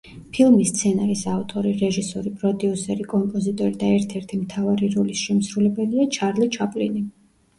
ფილმის სცენარის ავტორი, რეჟისორი, პროდიუსერი, კომპოზიტორი და ერთ-ერთი მთავარი როლის შემსრულებელია ჩარლი ჩაპლინი.